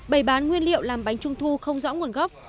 bày bán nguyên liệu làm bánh trung thu không rõ nguồn gốc